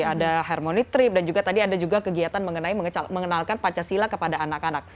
ada harmoni trip dan juga tadi ada juga kegiatan mengenai mengenalkan pancasila kepada anak anak